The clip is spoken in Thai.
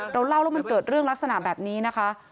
เราเล่าแล้วมันเกิดเรื่องลักษณะแบบนี้นะคะ